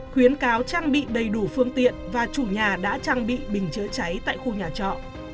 khuyến cáo trang bị đầy đủ phương tiện và chủ nhà đã trang bị bình chữa cháy tại khu nhà trọ